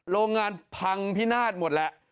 โรงงานพังพินาศหมดแล้ว